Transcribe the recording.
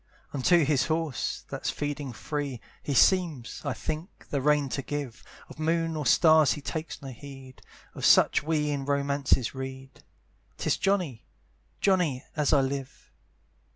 Unto his horse, that's feeding free, He seems, I think, the rein to give; Of moon or stars he takes no heed; Of such we in romances read, 'Tis Johnny! Johnny! as I live.